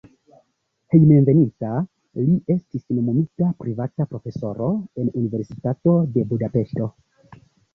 Hejmenveninta li estis nomumita privata profesoro en Universitato de Budapeŝto.